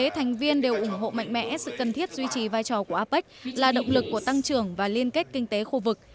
các thành viên đều ủng hộ mạnh mẽ sự cần thiết duy trì vai trò của apec là động lực của tăng trưởng và liên kết kinh tế khu vực